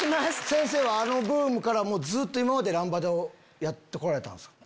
先生はあのブームからずっとランバダをやって来たんすか？